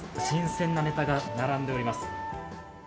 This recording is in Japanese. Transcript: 新鮮なネタが並んでおります。